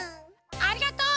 ありがとう！